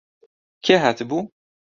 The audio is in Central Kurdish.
کێ هاتبوو؟